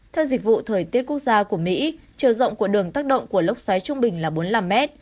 theo dịch vụ thời tiết quốc gia của mỹ chiều rộng của đường tác động của lốc xoáy trung bình là bốn mươi năm m